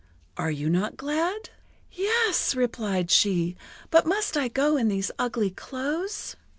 Are you not glad?" "Yes," replied she, "but must I go in these ugly clothes?"